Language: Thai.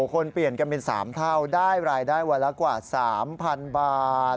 คนเปลี่ยนกันเป็น๓เท่าได้รายได้วันละกว่า๓๐๐๐บาท